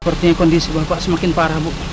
sepertinya kondisi bapak semakin parah